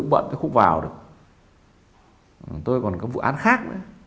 còn lại có vụ khác